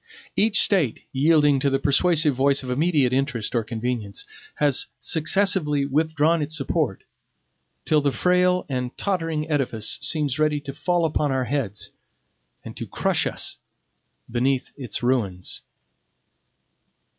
Each State, yielding to the persuasive voice of immediate interest or convenience, has successively withdrawn its support, till the frail and tottering edifice seems ready to fall upon our heads, and to crush us beneath its ruins.